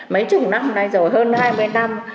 mấy chục năm nay rồi hơn hai mươi năm